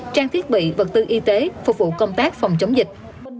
trang thiết bị vật tư y tế phục vụ công tác phòng chống dịch